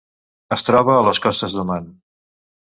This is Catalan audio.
Es troba a les costes d'Oman.